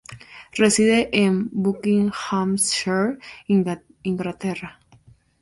Reside en Buckinghamshire, Inglaterra.